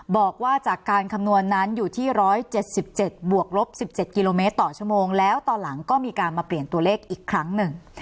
บอกว่าจากการคำนวณนั้นอยู่ที่๑๗๗บวกลบ๑๗กิโลเมตรต่อชั่วโมงแล้วตอนหลังก็มีการมาเปลี่ยนตัวเลขอีกครั้งหนึ่ง